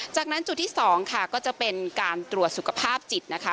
จากนั้นจุดที่๒ค่ะก็จะเป็นการตรวจสุขภาพจิตนะคะ